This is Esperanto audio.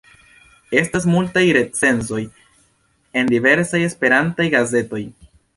Estas multaj recenzoj en diversaj Esperantaj gazetoj.